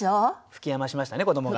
吹き余しましたね子どもが。